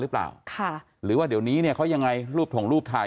หรือเปล่าค่ะหรือว่าเดี๋ยวนี้เนี่ยเขายังไงรูปถงรูปถ่าย